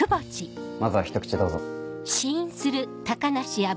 まずは一口どうぞ。